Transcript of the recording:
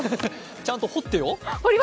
ちゃんと彫ってよ。